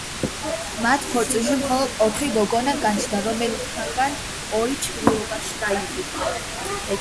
მათ ქორწინებაში მხოლოდ ოთხი გოგონა გაჩნდა, რომელთაგან ორი ჩვილობაში დაიღუპა.